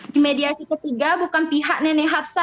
di mediasi ketiga bukan pihak nenek hapsa